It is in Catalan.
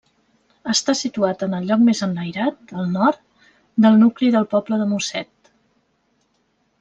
Està situat en el lloc més enlairat, al nord, del nucli del poble de Mosset.